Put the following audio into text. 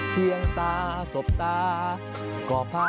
เพียงตาสบตาก็พา